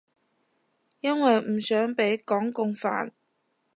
因為唔想畀港共煩